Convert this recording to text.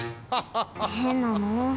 へんなの。